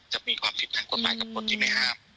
จะมีความผิดทางกฎหมายกับคนที่ไม่ห้าม